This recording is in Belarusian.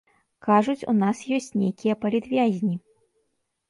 Кажуць, у нас ёсць нейкія палітвязні.